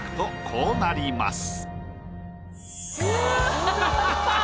こうなります。